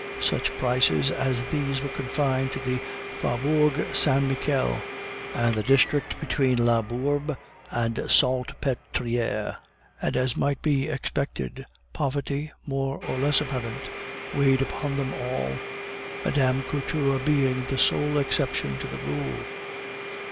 Such prices as these are confined to the Faubourg Saint Marcel and the district between La Bourbe and the Salpetriere; and, as might be expected, poverty, more or less apparent, weighed upon them all, Mme. Couture being the sole exception to the rule.